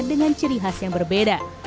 dengan ciri khas yang berbeda